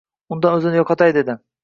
Undan o‘zini yo‘qotay dedi.